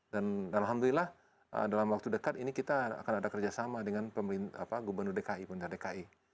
dan alhamdulillah dalam waktu dekat ini kita akan ada kerjasama dengan gubernur dki